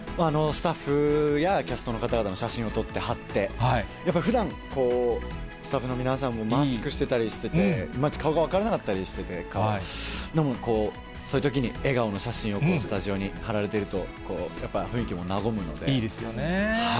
スタッフやキャストの方々の写真を撮って貼って、やっぱりふだん、スタッフの皆さんもマスクしてたりしてて、顔が分からなかったりしてて、でも、そういうときに笑顔の写真をスタジオに貼られていると、やっぱ雰いいですよね。